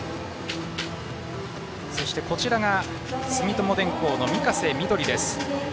そして住友電工の御家瀬緑です。